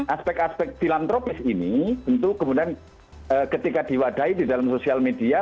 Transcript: aspek aspek filantropis ini tentu kemudian ketika diwadahi di dalam sosial media